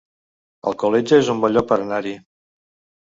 Alcoletge es un bon lloc per anar-hi